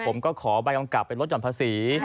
ผมก็ขอบายกำกลับไปรถหย่อนภาษี